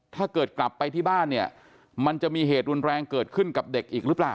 กลับไปที่บ้านเนี่ยมันจะมีเหตุรุนแรงเกิดขึ้นกับเด็กอีกหรือเปล่า